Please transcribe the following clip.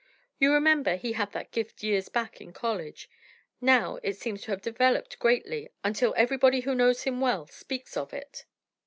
You remember, he had that gift years back in college. Now, it seems to have developed greatly, until everybody who knows him well speaks of it."